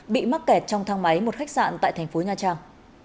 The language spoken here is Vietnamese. bị mắc kẹt trong thang máy một khách sạn tại thành phố nha trang